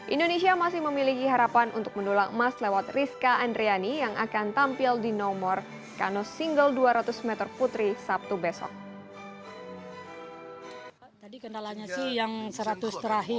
indonesia masih memiliki harapan untuk mendulang emas lewat rizka andriani yang akan tampil di nomor kanos single dua ratus meter putri sabtu besok